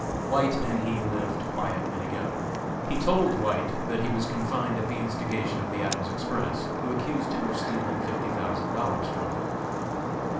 White and he lived quietly together. He told White that he was confined at the instigation of the Adams Express, who accused him of stealing fifty thousand dollars from them.